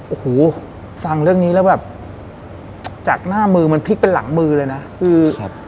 โอ้โหฟังเรื่องนี้แล้วแบบจากหน้ามือมันพลิกเป็นหลังมือเลยนะคือครับ